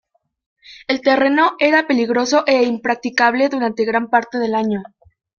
El terreno era peligroso e impracticable durante gran parte del año.